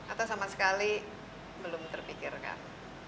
atau sama sekali belum terpikirkan